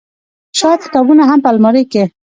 شايد کتابونه هم په المارۍ کې